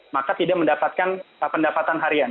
maka tidak mendapatkan pendapatan harian